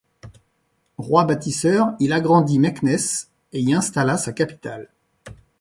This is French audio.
Roi bâtisseur, il agrandit Meknès et y installa sa capitale.